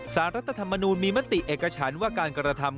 สารรัฐธรรมนุนมีมัตติเอกฉันว่าการกรรธรรม